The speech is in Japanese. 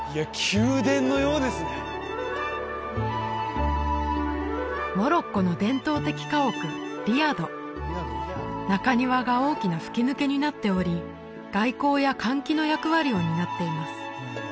宮殿のようですねモロッコの伝統的家屋リアド中庭が大きな吹き抜けになっており外光や換気の役割を担っています